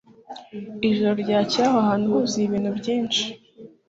Ijoro ryakeye aho hantu huzuye ibintu byinshi.